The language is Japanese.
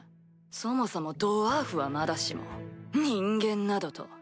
そもそもドワーフはまだしも人間などと。